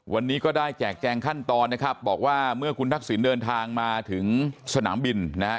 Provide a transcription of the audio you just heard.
วันนี้ก็ได้แจกแจงขั้นตอนนะครับบอกว่าเมื่อคุณทักษิณเดินทางมาถึงสนามบินนะฮะ